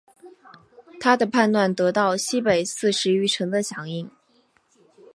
他的叛乱得到西北四十余城的响应。